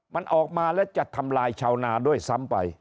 มันออกมาแล้วจะทำลายชาวนาด้วยซ้ำไป